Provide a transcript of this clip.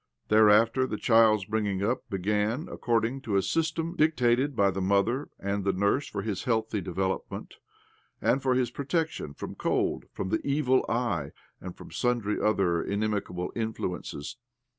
There after the child's bringitig up began accord ing to a system dictated by the mother and the nurse for his healthy development, and for his protection from cold, from the evil eye, and from sundry other inimical influ ences.